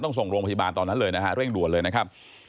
ส่งโรงพยาบาลตอนนั้นเลยนะฮะเร่งด่วนเลยนะครับ